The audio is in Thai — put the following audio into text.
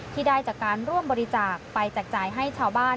ที่ได้จากการร่วมบริจาคไปแจกจ่ายให้ชาวบ้าน